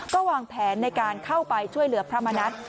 ก็วางแผนในการเข้าไปช่วยเหลือพระมณัฐ